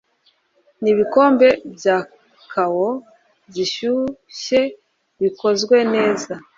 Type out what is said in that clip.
n'ibikombe bya cakao zishyushye bikozwe neza